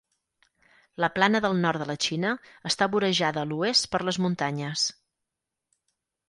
La Plana del Nord de la Xina està vorejada a l'oest per les muntanyes.